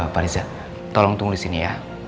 pak riza tolong tunggu disini ya